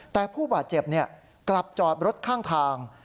แต่ผู้บาดเจ็บกลับจอดรถข้างทาง